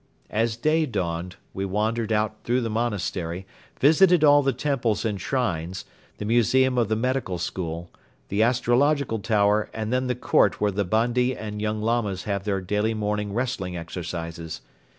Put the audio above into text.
As day dawned, we wandered out through the monastery, visited all the temples and shrines, the museum of the medical school, the astrological tower and then the court where the Bandi and young Lamas have their daily morning wrestling exercises.